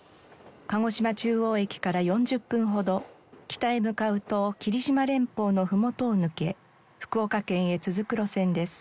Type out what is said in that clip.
鹿児島中央駅から４０分ほど北へ向かうと霧島連峰のふもとを抜け福岡県へ続く路線です。